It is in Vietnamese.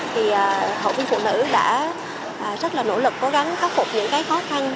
thì hội viên phụ nữ đã rất là nỗ lực cố gắng khắc phục những cái khó khăn